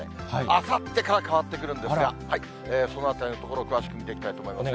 あさってから変わってくるんですが、そのあたりのところを詳しく見ていきたいと思います。